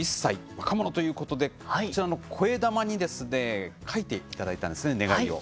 若者ということで、こえだまに書いていただいたんですね願いを。